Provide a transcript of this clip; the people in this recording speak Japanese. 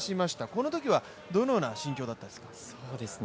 このときはどのような心境だったんですか？